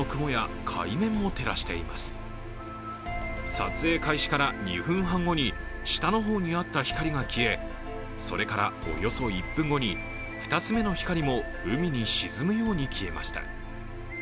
撮影開始から２分半後に下の方にあった光が消え、それからおよそ１分後に２つ目の光も海に沈むように消えました。